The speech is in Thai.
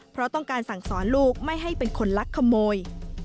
เพราะต้องการสั่งสอนลูกไม่ให้เป็นคนลักขโมย